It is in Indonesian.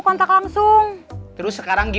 bisa dulu seperti tadi